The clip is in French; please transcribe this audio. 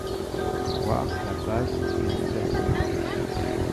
Voir la page Céroplastie.